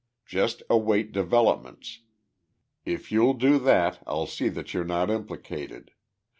Just await developments. If you'll do that, I'll see that you're not implicated.